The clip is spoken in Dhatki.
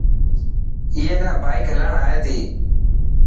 اي نا بائڪ هلائڻ آئي تي.